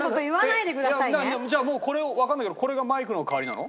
じゃあもうこれをわかんないけどこれがマイクの代わりなの？